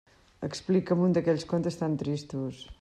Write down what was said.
Explica'm un d'aquells contes tan tristos!